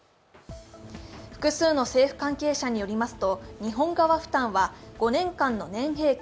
複数の政府関係者によりますと、日本側負担は５年間の年平均